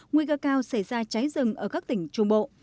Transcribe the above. nguy cơ cao xảy ra cháy rừng ở các tỉnh trung bộ